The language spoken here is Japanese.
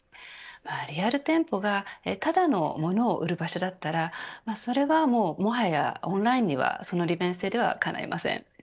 リアル店舗がただの物を売る場所だったらそれはもはやオンラインにはその利便性ではかないません。